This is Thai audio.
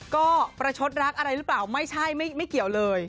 ก็ประชดรักอะไรหรือเปล่าไม่ใช่ไม่เกี่ยวเลย